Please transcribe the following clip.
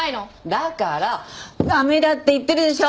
だから駄目だって言ってるでしょ！